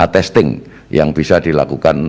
testing yang bisa dilakukan